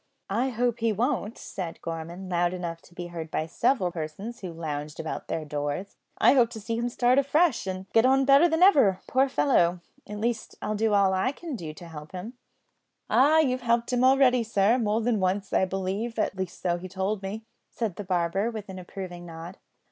"I hope he won't," said Gorman, loud enough to be heard by several persons who lounged about their doors. "I hope to see him start afresh, an' git on better than ever, poor fellow; at least, I'll do all I can to help him." "Ah! you've helped him already, sir, more than once, I believe; at least so he told me," said the barber, with an approving nod.